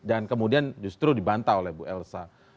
dan kemudian justru dibantah oleh bu elsa